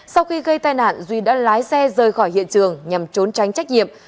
sau khi gây tai nạn duy đã lái xe rời khỏi hiện trường nhằm trốn tránh trách nhiệm